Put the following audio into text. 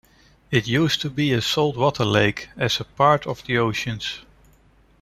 It used to be a salt water lake as a part of the oceans.